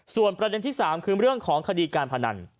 ส่วนประเด็นที่๓คือเรื่องของคดีการพนัน